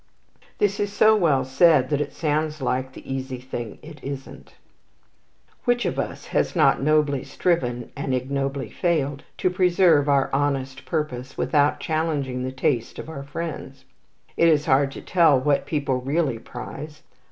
This is so well said that it sounds like the easy thing it isn't. Which of us has not nobly striven, and ignobly failed, to preserve our honest purpose without challenging the taste of our friends? It is hard to tell what people really prize.